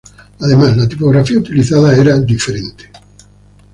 Además, la tipografía utilizada era diferente.